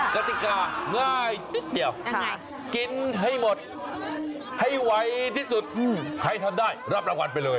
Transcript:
กติกาง่ายนิดเดียวกินให้หมดให้ไวที่สุดใครทำได้รับรางวัลไปเลย